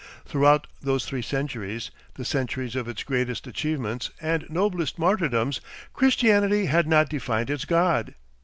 Throughout those three centuries, the centuries of its greatest achievements and noblest martyrdoms, Christianity had not defined its God.